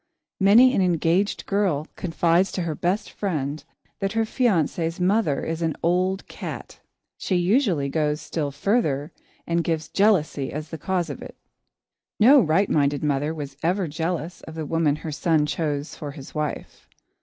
Many an engaged girl confides to her best friend that her fiancé's mother is "an old cat." She usually goes still further, and gives jealousy as the cause of it. No right minded mother was ever jealous of the woman her son chose for his wife.